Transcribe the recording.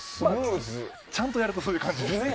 ちゃんとやるとそういう感じですね。